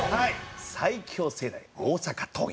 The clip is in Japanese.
最強世代大阪桐蔭。